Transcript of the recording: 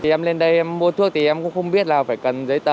em lên đây em mua thuốc thì em cũng không biết là phải cần giấy tờ